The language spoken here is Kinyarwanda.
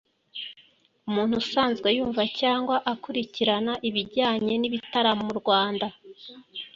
umuntu usanzwe yumva cyangwa akurikirana ibijyanye n’ibitaramo mu Rwanda